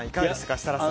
設楽さん。